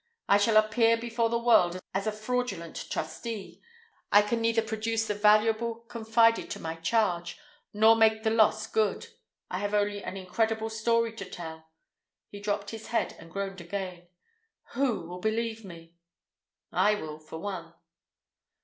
I shall appear before the world as a fraudulent trustee. I can neither produce the valuable confided to my charge nor make the loss good. I have only an incredible story to tell," he dropped his head and groaned again. "Who will believe me?" "I will, for one."